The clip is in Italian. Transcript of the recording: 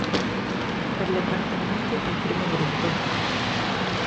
Per gli appartenenti al primo gruppo.